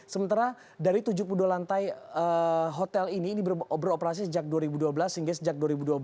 sementara dari tujuh puluh dua lantai hotel ini ini beroperasi sejak dua ribu dua belas hingga sejak dua ribu dua belas